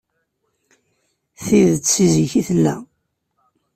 Tidet seg zik i tella.